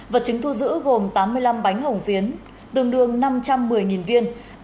vật chứng thu giữ gồm tám mươi năm bánh hồng phiến tương đương năm trăm một mươi viên